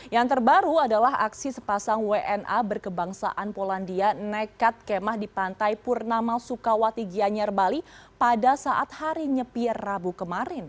yang terbaru adalah aksi sepasang wna berkebangsaan polandia nekat kemah di pantai purnama sukawati gianyar bali pada saat hari nyepir rabu kemarin